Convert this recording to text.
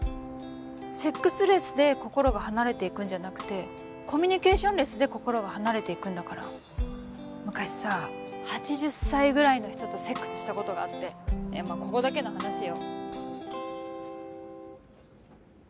セックスレスで心が離れていくんじゃなくてコミュニケーションレスで心が離れていくんだから昔さ８０歳ぐらいの人とセックスしたことがあってまあここだけの話よ